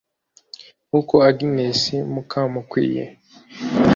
nk’uko Agnès Mukamukwiye